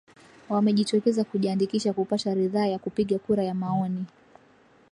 wamejitokeza kujiandikisha kupata ridhaa ya kupiga kura ya maoni